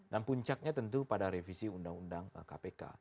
dan puncaknya tentu pada revisi undang undang kpk